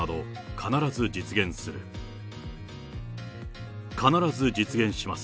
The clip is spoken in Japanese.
必ず実現します。